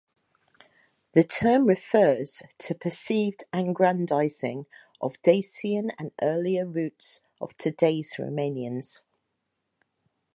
The term refers to perceived aggrandizing of Dacian and earlier roots of today's Romanians.